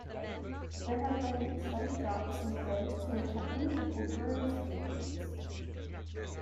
There have been slight drops in fares to accompany the temporary speed limits.